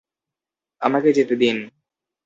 আমাকে যেতে দিন!